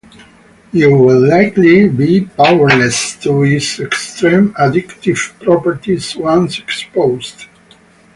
You will likely be powerless to its extreme addictive properties once exposed.